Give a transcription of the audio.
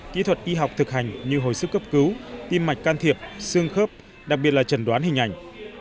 kỹ thuật y học thực hành như hồi sức cấp cứu tim mạch can thiệp xương khớp đặc biệt là trần đoán hình ảnh